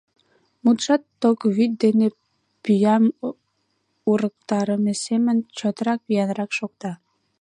Мутшат ток вӱд дене пӱям урыктарыме семын чотрак, виянрак шокта.